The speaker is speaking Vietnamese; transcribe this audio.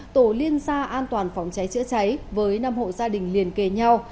tổ liên gia an toàn phòng cháy chữa cháy với năm hộ gia đình liên kề nhau